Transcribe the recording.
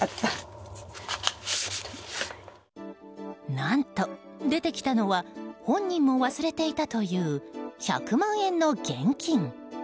何と、出てきたのは本人も忘れていたという１００万円の現金。